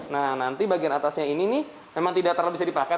nah nanti bagian atasnya ini nih memang tidak terlalu bisa dipakai